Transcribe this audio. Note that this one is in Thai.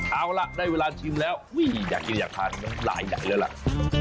เอาล่ะได้เวลาชิมแล้วอุ้ยอยากกินอยากทานน้ำลายใหญ่แล้วล่ะ